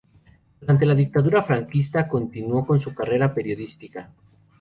Durante la Dictadura franquista continuó con su carrera periodística.